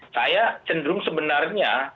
saya cenderung sebenarnya